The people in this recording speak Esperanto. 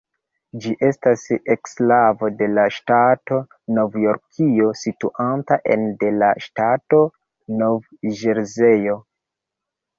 Ĝi estas eksklavo de la ŝtato Novjorkio situanta ene de la ŝtato Nov-Ĵerzejo.